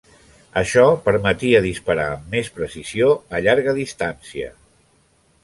Això permetia disparar amb més precisió a llarga distància.